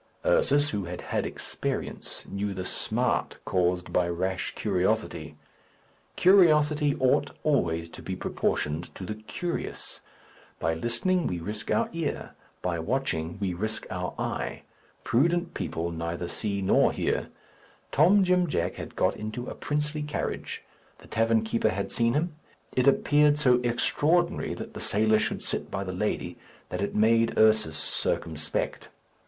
Ursus, who had had experience, knew the smart caused by rash curiosity. Curiosity ought always to be proportioned to the curious. By listening, we risk our ear; by watching, we risk our eye. Prudent people neither hear nor see. Tom Jim Jack had got into a princely carriage. The tavern keeper had seen him. It appeared so extraordinary that the sailor should sit by the lady that it made Ursus circumspect.